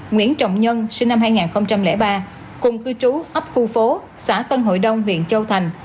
nguyễn trọng nhân sinh năm hai nghìn ba cùng cư trú ấp khu phố xã tân hội đông huyện châu thành